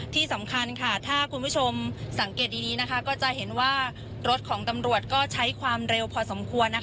ที่สำคัญถ้าคุณผู้ชมสังเกตดีก็จะเห็นว่ารถของตำรวจก็ใช้ความเร็วพอสมควร